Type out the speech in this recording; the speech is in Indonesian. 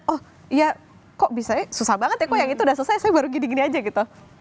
oh ya kok bisa ya susah banget ya kok yang itu udah susah sad eux baru ini gini aja gitu